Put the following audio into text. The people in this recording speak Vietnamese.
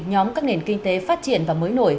nhóm các nền kinh tế phát triển và mới nổi